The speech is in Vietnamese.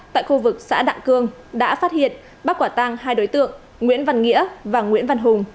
tại khu vực xã đạng cương đã phát hiện bác quả tăng hai đối tượng nguyễn văn nghĩa và nguyễn văn hùng